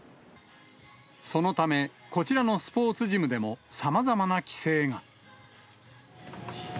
そのためこちらのスポーツジムでも、さまざまな規制が。